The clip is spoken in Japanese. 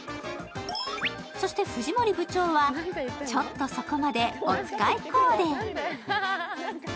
そして藤森部長はちょっとそこまで、おつかいコーデ。